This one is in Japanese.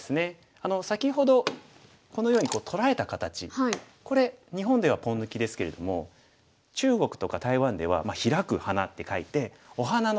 先ほどこのように取られた形これ日本では「ポン抜き」ですけれども中国とか台湾では「開く」「花」って書いて「お花のかたち」っていうんですね。